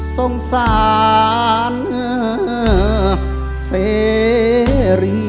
สงสารเสรี